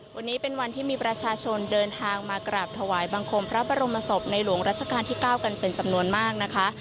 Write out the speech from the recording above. วันนี้เป็นวันที่มีประชาชนเดินทางมากราบถวายบังคมพระบรมศพในหลวงรัชกาลที่๙กันเป็นจำนวนมากนะคะ